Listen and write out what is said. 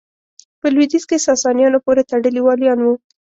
په لوېدیځ کې ساسانیانو پوره تړلي والیان وو.